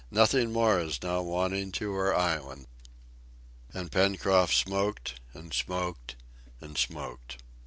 "Nothing more is now wanting to our island." And Pencroft smoked, and smoked, and smoked.